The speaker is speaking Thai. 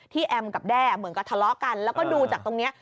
แอมกับแด้เหมือนกับทะเลาะกันแล้วก็ดูจากตรงนี้